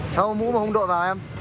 sao mũ mà không đội vào em